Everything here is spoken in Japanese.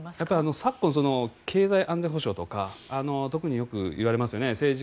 昨今、経済安全保障とか特によく言われますよね。